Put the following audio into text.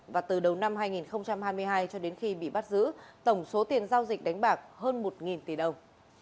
và từ đầu năm hai nghìn hai mươi hai cho đến khi bị bắt giữ tổng số tiền giao dịch đánh bạc hơn một tỷ đồng